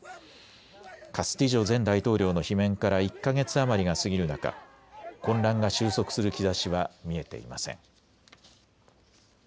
カスティジョ前大統領の罷免から１か月余りが過ぎる中、混乱が収束する兆しは見えていません。